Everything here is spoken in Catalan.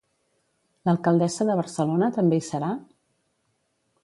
L'alcaldessa de Barcelona també hi serà?